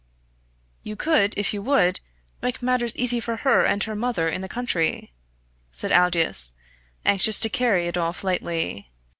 "You could, if you would, make matters easy for her and her mother in the county," said Aldous, anxious to carry it off lightly.